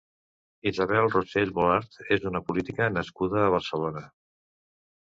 Isabel Rosell Volart és una política nascuda a Barcelona.